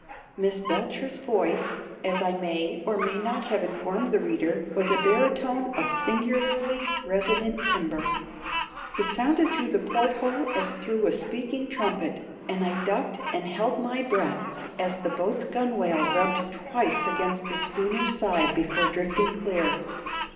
Miss Belcher's voice as I may or may not have informed the reader was a baritone of singularly resonant timbre. It sounded through the porthole as through a speaking trumpet, and I ducked and held my breath as the boat's gunwale rubbed twice against the schooner's side before drifting clear.